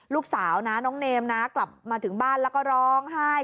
ลูกสาวนะน้องเนมนะกลับมาถึงบ้านแล้วก็ร้องไห้